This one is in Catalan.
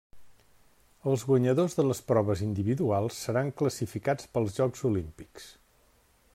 Els guanyadors de les proves individuals seran classificats pels Jocs Olímpics.